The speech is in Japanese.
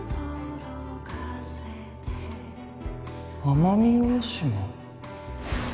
奄美大島？